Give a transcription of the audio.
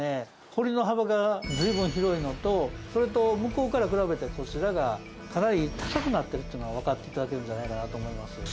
堀の幅が随分広いのとそれと、向こうから比べてこちらが、かなり高くなってるっていうのがわかっていただけるんじゃないかなと思います。